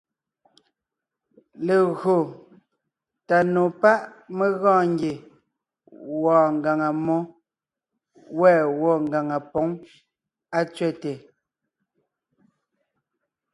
Legÿo tà nò pá’ mé gɔɔn ngie wɔɔn ngàŋa mmó, wὲ gwɔ́ ngàŋa póŋ á tsẅέte.